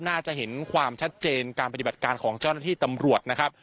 น่าจะเห็นความชัดเจนการปฏิบัติการของเจ้าหน้าที่ตำรวจนะครับ